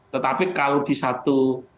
tetapi kalau di satu